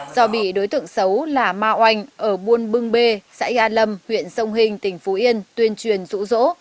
do bị đối tượng xấu là ma oanh ở buôn bưng bê xã yad lam huyện sông hình tỉnh phú yên tuyên truyền rũ rỗ